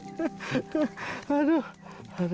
ini baru tadi